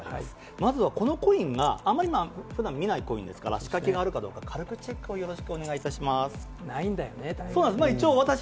まずはこのコインが、あまりふだん見ないコインですから、仕掛けがあるかどうか、軽くチェックをよろしくお願いいたします。